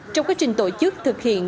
trong quá trình tổ chức thực hiện